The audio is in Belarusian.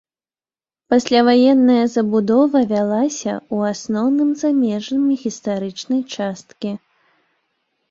Пасляваенная забудова вялася ў асноўным за межамі гістарычнай часткі.